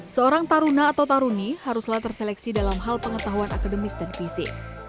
seorang taruna atau taruni haruslah terseleksi dalam hal pengetahuan akademis dan fisik